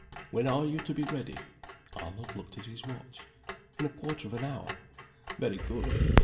"When are you to be ready?" Arnold looked at his watch. "In a quarter of an hour." "Very good.